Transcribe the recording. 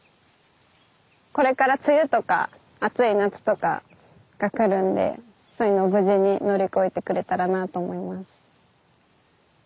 これから梅雨とか暑い夏とかが来るんでそういうのを無事に乗り越えてくれたらなぁと思います。